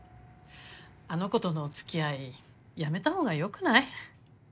あの子とのおつきあいやめた方がよくない？